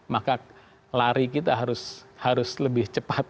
maka lari kita harus lebih cepat